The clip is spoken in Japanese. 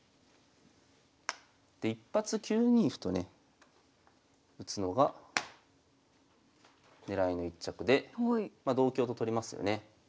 で一発９二歩とね打つのが狙いの一着でま同香と取りますよね。